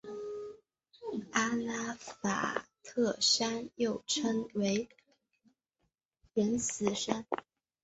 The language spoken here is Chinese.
阿拉法特山又称为仁慈山。